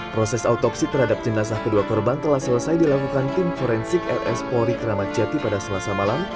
proses autopsi terhadap jenazah kedua korban telah selesai dilakukan tim forensik rs polri kramat jati pada selasa malam